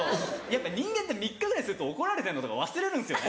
やっぱ人間って３日ぐらいすると怒られてるのとか忘れるんですよ。